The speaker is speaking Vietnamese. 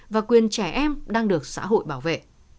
và quyền trẻ em đang được xã hội bảo vệ